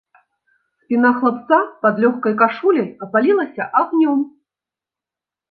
Спіна хлапца пад лёгкай кашуляй апалілася агнём.